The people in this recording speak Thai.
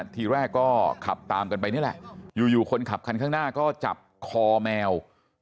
ทีแรกก็ขับตามกันไปนี่แหละอยู่คนขับคันข้างหน้าก็จับคอแมว